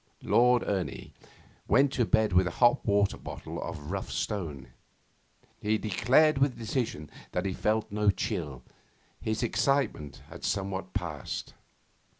Lord Ernie went to bed with a hot water bottle of rough stone. He declared with decision that he felt no chill. His excitement had somewhat passed.